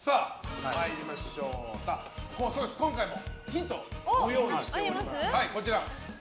今回もヒント、ご用意しています。